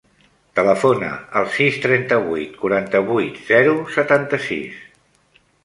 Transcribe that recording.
Telefona al sis, trenta-vuit, quaranta-vuit, zero, setanta-sis.